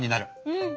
うん！